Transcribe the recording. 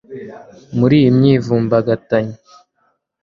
Muri iyi myivumbagatanyo